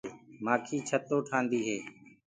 مآکي ڇتو ٺهآندي هي۔